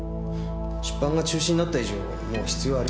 出版が中止になった以上もう必要ありませんから。